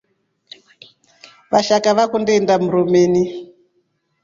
Vashaka vakundi indaa mrumini.